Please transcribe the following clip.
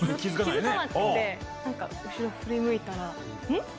後ろ振り向いたら。